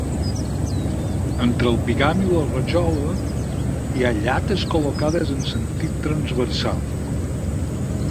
Entre el bigam i la rajola hi ha llates col·locades en sentit transversal.